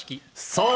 そう